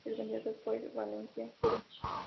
El vencedor fue Valencia Giants.